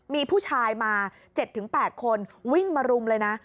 มีผู้ชายมา๗๘คนวิ่งมารุมเลยนะ